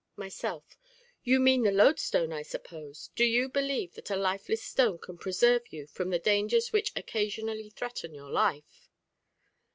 Myself You mean the loadstone, I suppose. Do you believe that a lifeless stone can preserve you from the dangers which occasionally threaten your life?